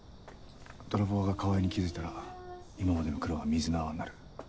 泥棒が川合に気付いたら今までの苦労が水の泡になる。